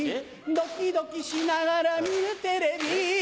ドキドキしながら見るテレビ